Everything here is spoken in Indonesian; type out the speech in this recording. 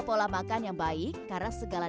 pola makan yang baik karena segala